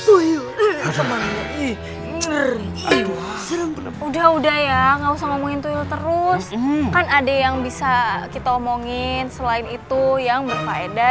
udah udah ya gak usah ngomongin twil terus kan ada yang bisa kita omongin selain itu yang berfaedah